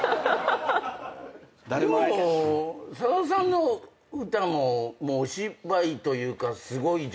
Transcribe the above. でもさださんの歌もお芝居というかすごいじゃないですか。